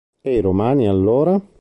E i romani allora?